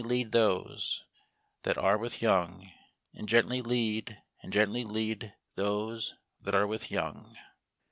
TO TO 1 M I I are with young, and gent ly lead, and gent ly lead those that are with young.